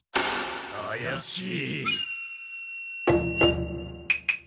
あやしい！